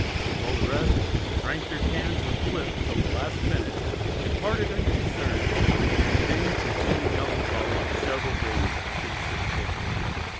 While the rest "drank their Cans of flip till the last minute" and "parted unconcerned," the Dane "continued melancholy for several days" after the ships sailed.